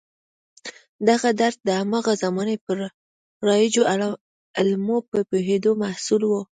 دغه درک د هماغه زمانې پر رایجو علومو د پوهېدو محصول و.